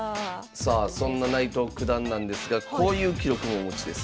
さあそんな内藤九段なんですがこういう記録もお持ちです。